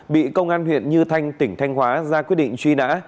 bị công an huyện như thanh tỉnh thanh hóa ra quyết định truy nã